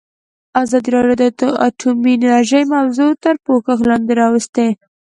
ازادي راډیو د اټومي انرژي موضوع تر پوښښ لاندې راوستې.